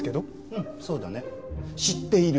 うんそうだね知っている。